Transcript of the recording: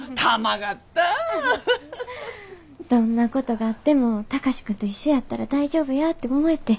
どんなことがあっても貴司君と一緒やったら大丈夫やて思えてん。